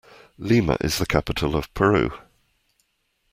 Lima is the capital of Peru.